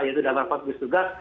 yaitu dalam rapat gugus tugas